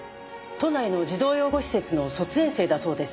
都内の児童養護施設の卒園生だそうです。